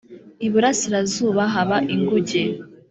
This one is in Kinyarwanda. iburasirazuba haba ingujye.